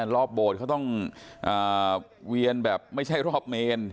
โบสถ์เขาต้องเวียนแบบไม่ใช่รอบเมน